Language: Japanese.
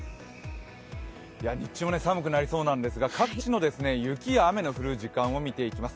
日中も寒くなりそうなんですが各地の雪や雨の減降る時間を見ていきます。